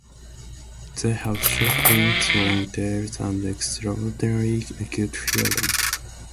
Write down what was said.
They have short wings, long tails, and extraordinarily acute hearing.